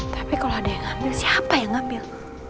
tapi kalau ada yang ngambil siapa yang ngambil